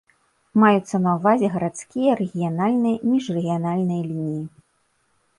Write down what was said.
Маюцца на ўвазе гарадскія, рэгіянальныя і міжрэгіянальныя лініі.